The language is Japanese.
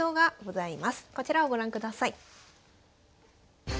こちらをご覧ください。